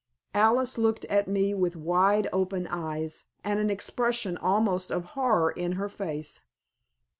Alice looked at me with wide open eyes, and an expression almost of horror in her face.